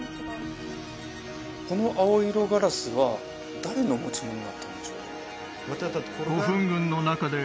この青色ガラスは誰の持ち物だったんでしょうか？